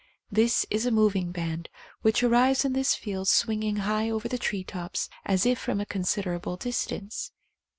This is a moving band which arrives in this field swinging high over the tree tops as if from a considerable distance.